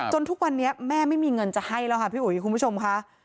ทุกวันนี้แม่ไม่มีเงินจะให้แล้วค่ะพี่อุ๋ยคุณผู้ชมค่ะ